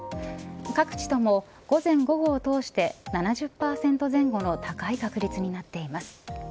各地とも午前午後を通して７０％前後の高い確率になっています。